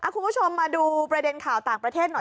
คุณผู้ชมมาดูประเด็นข่าวต่างประเทศหน่อย